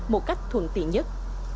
một cách thuận tiện nhất